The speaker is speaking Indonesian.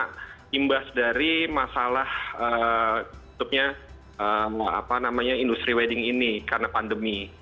timbas dari masalah seutupnya apa namanya industri wedding ini karena pandemi